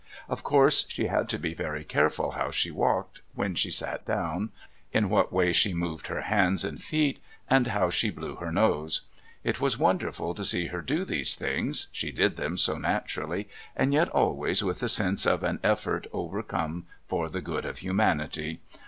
Of course she had to be very careful how she walked, when she sat down, in what way she moved her hands and feet, and how she blew her nose. It was wonderful to see her do these things, she did them so naturally and yet always with a sense of an effort overcome for the good of humanity.